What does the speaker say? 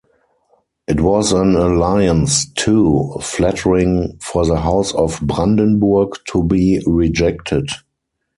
It was an alliance too flattering for the House of Brandenburg to be rejected.